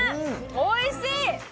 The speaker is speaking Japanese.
おいしい！